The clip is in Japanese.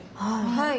はい。